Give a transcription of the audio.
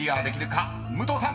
武藤さん］